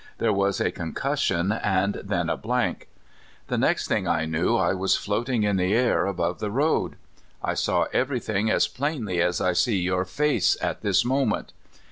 There was a concussion, and then a blank. The next thing I knew I was float ing in the air above the road. I saw every thing as plainly as I see your face at this moment.